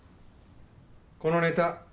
このネタ